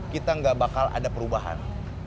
kita nggak bakal ada perubahan